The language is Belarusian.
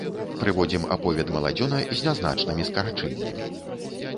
Прыводзім аповед маладзёна з нязначнымі скарачэннямі.